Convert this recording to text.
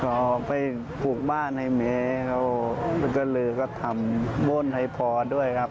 พอไปปลูกบ้านให้แม่เขาก็เลยก็ทำบนให้พอด้วยครับ